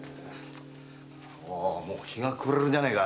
もう日が暮れるじゃねえか。